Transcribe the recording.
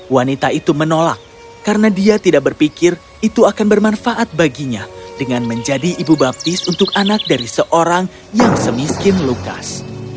wanita itu menolak karena dia tidak berpikir itu akan bermanfaat baginya dengan menjadi ibu baptis untuk anak dari seorang yang semiskin lukas